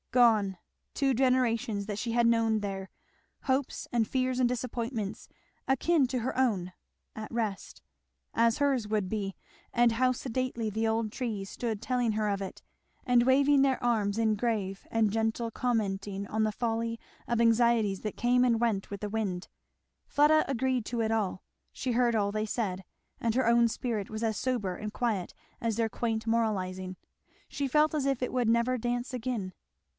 Gone two generations that she had known there; hopes and fears and disappointments, akin to her own, at rest, as hers would be; and how sedately the old trees stood telling her of it, and waving their arms in grave and gentle commenting on the folly of anxieties that came and went with the wind. Fleda agreed to it all; she heard all they said; and her own spirit was as sober and quiet as their quaint moralizing. She felt as if it would never dance again.